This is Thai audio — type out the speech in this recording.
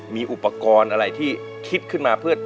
มีอุปกรณ์อะไรที่คิดขึ้นมาเพื่อ